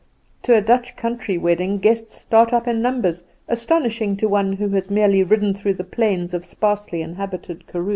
To a Dutch country wedding guests start up in numbers astonishing to one who has merely ridden through the plains of sparsely inhabited karoo.